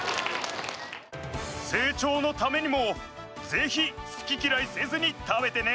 成長のためにもぜひすききらいせずにたべてね！